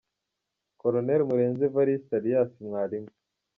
- Colonel Murenzi Evariste alias Mwalimu